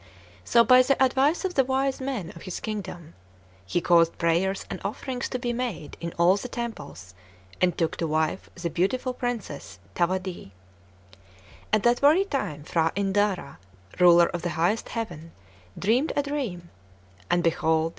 So, by the advice of the wise men of his kingdom, he caused prayers and offerings to be made in all the temples, and took to wife the beautiful Princess Thawadee. At that very time P'hra Indara, ruler of the highest heaven, dreamed a dream; and behold!